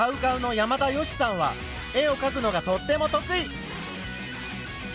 ＣＯＷＣＯＷの山田善しさんは絵をかくのがとっても得意。